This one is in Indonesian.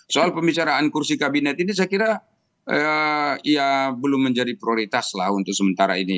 soal pembicaraan kursi kabinet ini saya kira ya belum menjadi prioritas lah untuk sementara ini